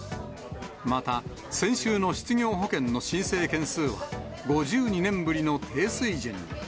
また、先週の失業保険の申請件数は５２年ぶりの低水準に。